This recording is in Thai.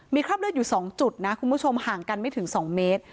มีคราบเลือดอยู่๒จุดนะคุณผู้ชมห่างกันไม่ถึง๒เมตร